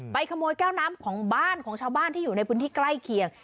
ขโมยแก้วน้ำของบ้านของชาวบ้านที่อยู่ในพื้นที่ใกล้เคียง